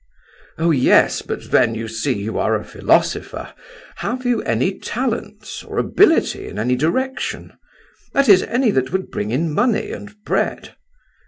"Oh yes, but then, you see, you are a philosopher. Have you any talents, or ability in any direction—that is, any that would bring in money and bread?